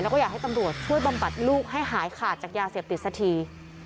แล้วก็อยากให้ตำรวจช่วยบำบัดลูกให้หายขาดจากยาเสพติดสักที